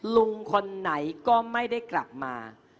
ลุงคนไหนก็ไม่ได้กลับมา